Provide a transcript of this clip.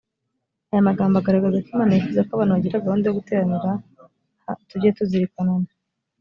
ayo magambo agaragaza ko imana yifuza ko abantu bagira gahunda yo guteranira ha tujye tuzirikanana